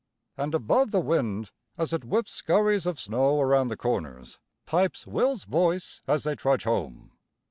And above the wind, as it whips scurries of snow around the corners, pipes Will's voice as they trudge home.